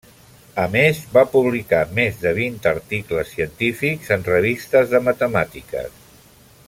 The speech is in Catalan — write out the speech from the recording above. A més, va publicar més de vint articles científics en revistes de matemàtiques.